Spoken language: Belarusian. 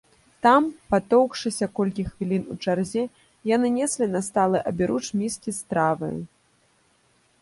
Там, патоўкшыся колькі хвілін у чарзе, яны неслі на сталы аберуч міскі з страваю.